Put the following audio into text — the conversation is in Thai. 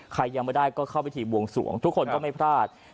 ใครยังไม่ได้ก็เข้าพิธีบวงสวงทุกคนก็ไม่พลาด